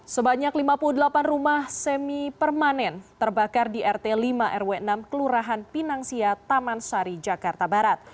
sebanyak lima puluh delapan rumah semi permanen terbakar di rt lima rw enam kelurahan pinangsia taman sari jakarta barat